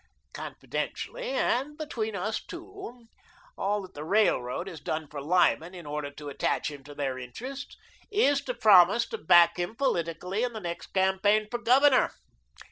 Confidentially and between us two, all that the Railroad has done for Lyman, in order to attach him to their interests, is to promise to back him politically in the next campaign for Governor.